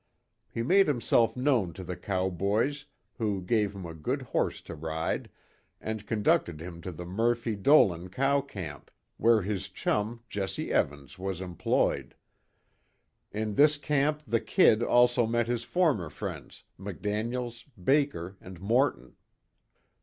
He made himself known to the cowboys, who gave him a good horse to ride, and conducted him to the Murphy Dolan cow camp, where his chum, Jesse Evans, was employed. In this camp the "Kid" also met his former friends, McDaniels, Baker, and Morton.